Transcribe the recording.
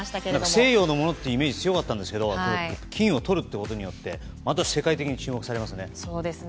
西洋のイメージが強かったんですが金をとることによって世界的に注目されますね。